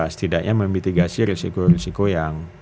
setidaknya memitigasi risiko risiko yang